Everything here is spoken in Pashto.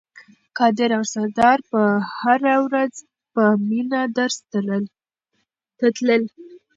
قادر او سردار به هره ورځ په مینه درس ته تلل.